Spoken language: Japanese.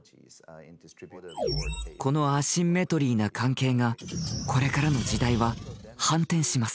このアシンメトリーな関係がこれからの時代は反転します。